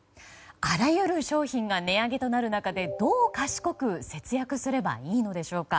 あらゆる商品が値上げとなる中でどう賢く節約すればいいのでしょうか。